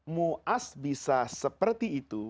mu'adh bisa seperti itu